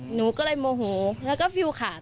หนูก็เลยโมโหแล้วก็ฟิลขาด